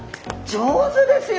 上手ですよ！